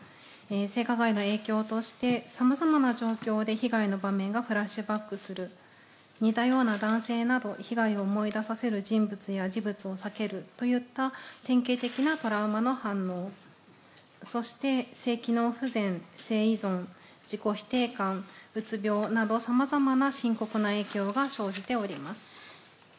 性加害の影響として、さまざまな状況で被害の場面がフラッシュバックする、似たような男性など、被害を思い出させる人物や事物を避けるといった典型的なトラウマの反応、そして性機能不全、性依存、自己否定感、うつ病など、さまざまな深刻な影響が生じております。